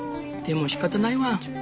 でもしかたないワン。